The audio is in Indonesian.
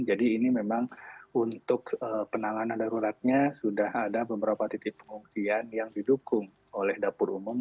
jadi ini memang untuk penanganan daruratnya sudah ada beberapa titik pengungsian yang didukung oleh dapur umum